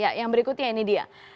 ya yang berikutnya ini dia